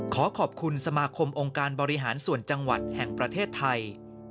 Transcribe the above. ขอขอบคุณสมาคมองค์การบริหารส่วนจังหวัดแห่งประเทศไทย